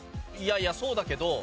いやいやそうだけど。